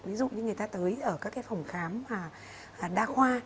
ví dụ như người ta tới ở các cái phòng khám đa khoa